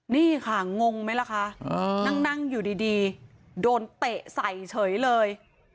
นี่ค่ะงงไหมล่ะคะนั่งอยู่ดีโดนเตะใส่เฉยเลย